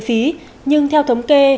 lệ phí nhưng theo thống kê